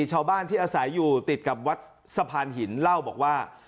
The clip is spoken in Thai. ชาวบ้านที่อาศัยอยู่ติดกับวัดสะพานหินเล่าบอกว่า